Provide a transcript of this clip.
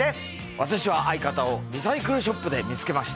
私は相方をリサイクルショップで見つけました。